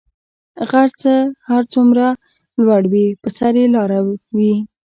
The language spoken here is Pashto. غر څه هر څومره لوړ وی په سر ئي لاره وی